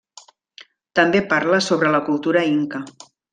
També parla sobre la cultura Inca.